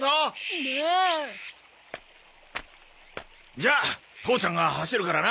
じゃあ父ちゃんが走るからな。